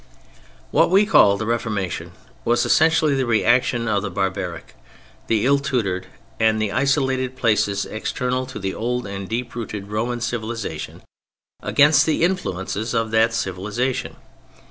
What we call "the Reformation" was essentially the reaction of the barbaric, the ill tutored and the isolated places external to the old and deep rooted Roman civilization, against the influences of that civilization.